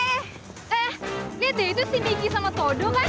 eh lihat deh itu si miki sama toto kan